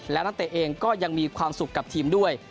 และนักเตะเองก็ยังมีความสุขกับทีมด้วย